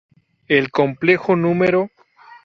El complejo no.